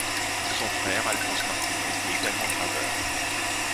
Son frère, Alphonse Martinet, était également graveur.